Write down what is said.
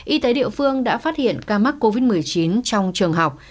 y tế địa phương đã phát hiện ca mắc covid một mươi chín trong trường học